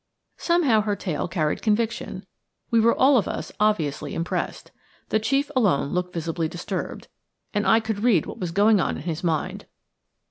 Somehow her tale carried conviction. We were all of us obviously impressed. The chief alone looked visibly disturbed, and I could read what was going on in his mind.